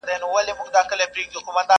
داسي زهر چي مرگى د هر حيوان دي،